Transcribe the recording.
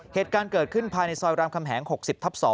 เหตุการณ์เกิดขึ้นภายในซอยรามคำแหง๖๐ทับ๒